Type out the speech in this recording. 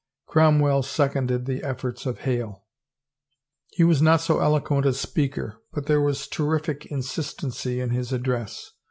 Cromwell seconded the efforts of Hale. He was not so eloquent a speaker, but there was terrific insist 352 THE TRIAL ency in his address.